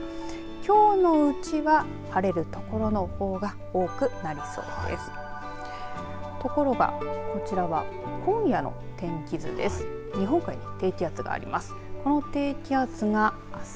きょうのうちは晴れる所のほうが多くなりそうです。